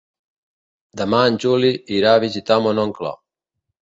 Demà en Juli irà a visitar mon oncle.